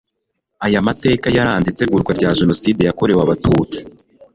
aya mateka yaranze itegurwa rya Jenoside yakorewe Abatutsi